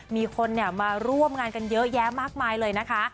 มีคนมาร่วมงานกันเยอะแยะมากมายเลยนะคะ